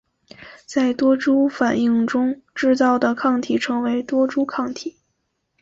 在多株反应中制造的抗体称为多株抗体。